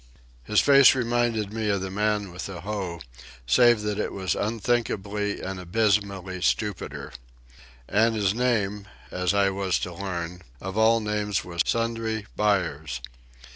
His face reminded me of the Man with the Hoe, save that it was unthinkably and abysmally stupider. And his name, as I was to learn, of all names was Sundry Buyers.